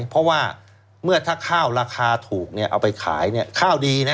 เพราะว่าเมื่อถ้าข้าวราคาถูกเอาไปขายข้าวดีนะ